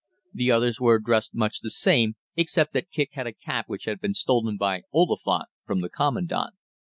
The others were dressed much the same, except that Kicq had a cap which had been stolen by Oliphant from the Commandant.